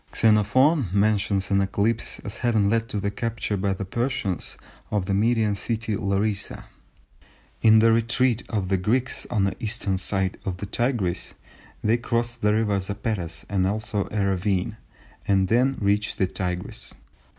Xenophon mentions an eclipse as having led to the capture by the Persians of the Median city Larissa. In the retreat of the Greeks on the eastern side of the Tigris, they crossed the river Zapetes and also a ravine, and then reached the Tigris.